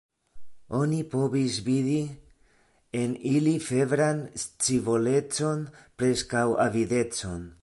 Oni povis vidi en ili febran scivolecon, preskaŭ avidecon.